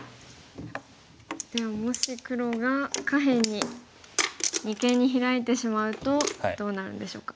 でももし黒が下辺に二間にヒラいてしまうとどうなるんでしょうか。